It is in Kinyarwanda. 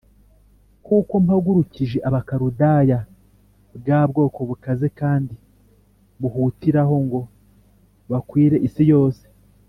kuko mpagurukije abakaludaya, bwa bwoko bukaze kandi buhutiraho ngo bakwire isi yose